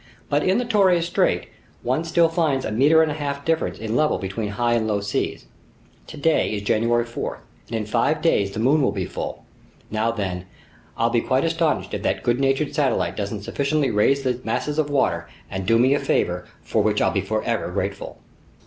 "But in the Torres Strait, one still finds a meter and a half difference in level between high and low seas. Today is January 4, and in five days the moon will be full. Now then, I'll be quite astonished if that good natured satellite doesn't sufficiently raise these masses of water and do me a favor for which I'll be forever grateful."